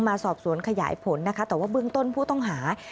มาสอบสวนขยายผลนะคะแต่ว่าเบื้องต้นผู้ต้องหา